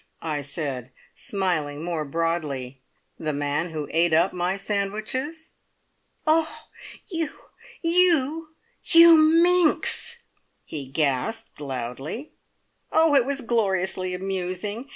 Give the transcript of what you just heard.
I said, smiling more broadly. "The man who ate up my sandwiches!" "Oh! you you you minx!" he gasped loudly. Oh! it was gloriously amusing!